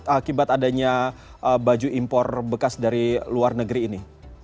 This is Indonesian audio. akibat adanya baju impor bekas dari luar negeri ini